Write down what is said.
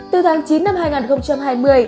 từ tháng chín năm hai nghìn hai mươi